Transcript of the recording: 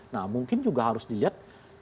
nah mungkin juga harus dilihat